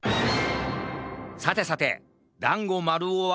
さてさてだんごまるおはどこかな？